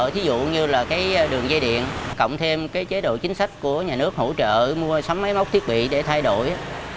ví dụ như đường dây điện cộng thêm chế độ chính sách của nhà nước hỗ trợ mua sắm máy móc thiết bị để thay đổi